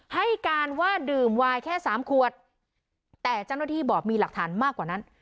ให้การว่าดื่มวายแค่สามขวดแต่เจ้าหน้าที่บอกมีหลักฐานมากกว่านั้น